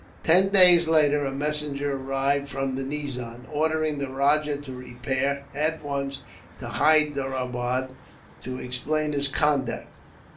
Ten days later a messenger arrived from the nizam, ordering the rajah to repair, at once, to Hyderabad, to explain his conduct.